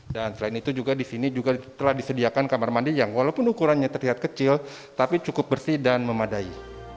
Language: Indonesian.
selain itu juga di sini juga telah disediakan kamar mandi yang walaupun ukurannya terlihat kecil tapi cukup bersih dan memadai